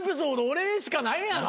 俺しかないやん。